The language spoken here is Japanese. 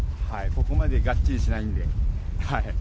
ここまでがっちりしないんで。